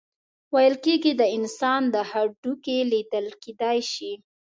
ویل کیږي د انسان هډوکي لیدل کیدی شي.